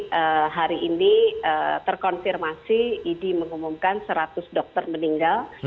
jadi hari ini terkonfirmasi idi mengumumkan seratus dokter meninggal